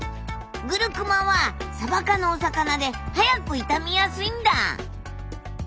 グルクマはサバ科のお魚で早く傷みやすいんだ。